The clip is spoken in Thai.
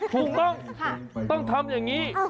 ถูกต้องต้องทำอย่างนี้